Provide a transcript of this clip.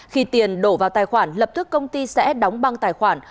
khi tiền đổ vào tài khoản lập tức công ty sẽ đóng băng tài khoản